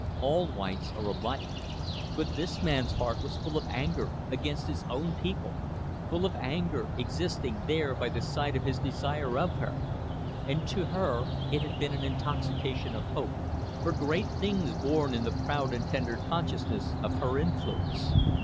All whites are alike. But this man's heart was full of anger against his own people, full of anger existing there by the side of his desire of her. And to her it had been an intoxication of hope for great things born in the proud and tender consciousness of her influence.